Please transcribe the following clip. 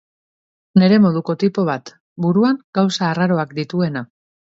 Nire moduko tipo bat, buruan gauza arraroak dituena.